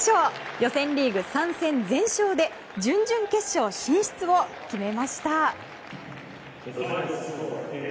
予選リーグ３戦全勝で準々決勝進出を決めました。